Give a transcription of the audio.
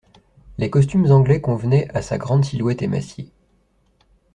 Les costumes anglais convenaient à sa grande silhouette émaciée.